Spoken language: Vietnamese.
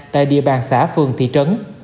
tại địa bàn xã phường thị trấn